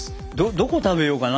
どこ食べようかな。